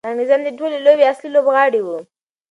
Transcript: انګریزان د دې ټولې لوبې اصلي لوبغاړي وو.